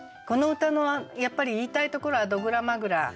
この歌のやっぱり言いたいところは「ドグラ・マグラ」